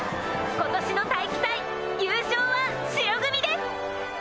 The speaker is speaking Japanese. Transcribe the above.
今年の体育祭優勝は白組です！